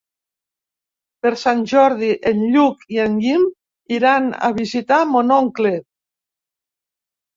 Per Sant Jordi en Lluc i en Guim iran a visitar mon oncle.